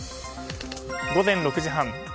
午前６時半。